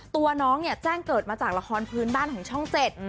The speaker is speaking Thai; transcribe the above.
ตัวน้องเนี่ยแจ้งเกิดมาจากละครพื้นบ้านของช่องเจ็ด